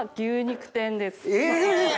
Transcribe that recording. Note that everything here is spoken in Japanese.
え！